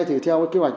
theo kế hoạch